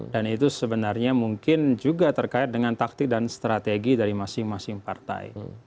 dan itu sebenarnya mungkin juga terkait dengan taktik dan strategi dari masing masing partai